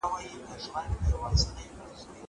زه پرون انځورونه رسم کړل.